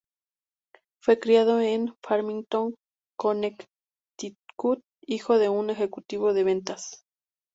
Fue criado en Farmington, Connecticut, hijo de un ejecutivo de ventas.